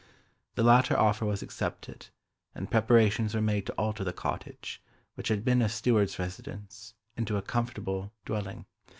The latter offer was accepted, and preparations were made to alter the cottage, which had been a steward's residence, into a comfortable dwelling.